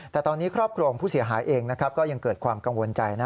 แต่ตอนนี้ครอบครัวของผู้เสียหายเองก็ยังเกิดความกังวลใจ